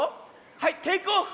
はいテイクオフ！